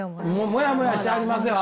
もやもやしてはりますよ！